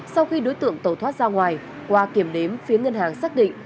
sau khi đối tượng tẩu thoát ra ngoài qua kiểm đếm phía ngân hàng xác định